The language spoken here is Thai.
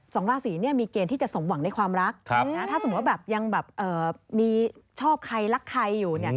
สองราศีเนี่ยมีเกณฑ์ที่จะสมหวังในความรักถ้าสมมุติแบบยังแบบมีชอบใครรักใครอยู่